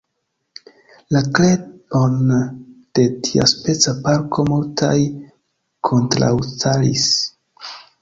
La kreon de tiaspeca parko multaj kontraŭstaris.